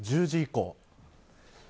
１０時以降。